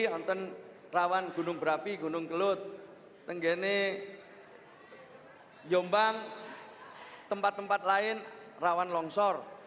kediri dengan gunung berapi gunung gelut tempat tempat lain yang rawan longsor